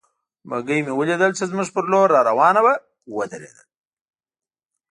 بګۍ مې ولیدل چې زموږ پر لور را روانه وه، ودرېدل.